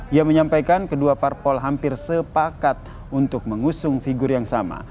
ia menyampaikan kedua parpol hampir sepakat untuk mengusung figur yang sama